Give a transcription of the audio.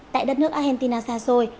tại đất nước argentina xa xôi